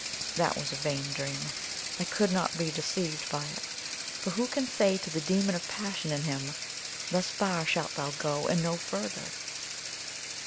that was a vain dream, I could not be deceived by it; for who can say to the demon of passion in him, thus far shalt thou go and no further?